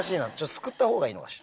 すくった方がいいのかしら。